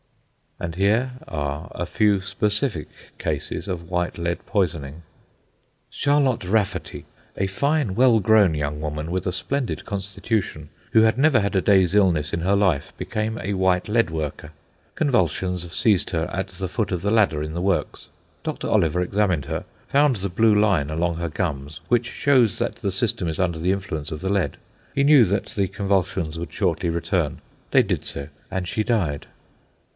And here are a few specific cases of white lead poisoning:— Charlotte Rafferty, a fine, well grown young woman with a splendid constitution—who had never had a day's illness in her life—became a white lead worker. Convulsions seized her at the foot of the ladder in the works. Dr. Oliver examined her, found the blue line along her gums, which shows that the system is under the influence of the lead. He knew that the convulsions would shortly return. They did so, and she died.